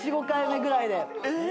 ４５回目ぐらいで。